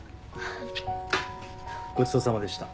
ごちそうさまでした。